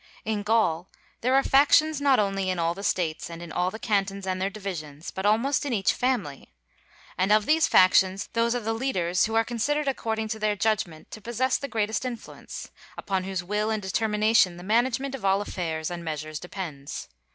In Gaul there are factions not only in all the States, and in all the cantons and their divisions, but almost in each family; and of these factions those are the leaders who are considered according to their judgment to possess the greatest influence, upon whose will and determination the management of all affairs and measures depends.